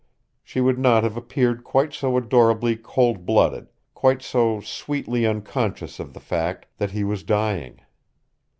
She would not have appeared quite so adorably cold blooded, quite so sweetly unconscious of the fact that he was dying.